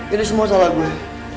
ini semua salah gue